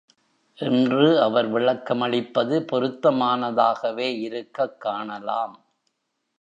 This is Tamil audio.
என்று அவர் விளக்கமளிப்பது பொருத்தமானதாகவே இருக்கக் காணலாம்.